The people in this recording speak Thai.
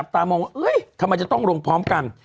ถ้ามันจะต้องลงพร้อมกัน